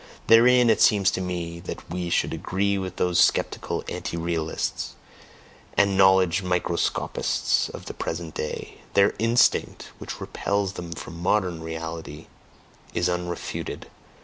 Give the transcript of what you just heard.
Therein it seems to me that we should agree with those skeptical anti realists and knowledge microscopists of the present day; their instinct, which repels them from MODERN reality, is unrefuted...